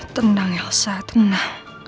tendang elsa tenang